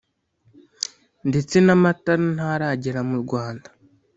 ndetse n’amatara ntaragera mu Rwanda